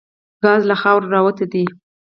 ګاز له خاورو راوتي دي.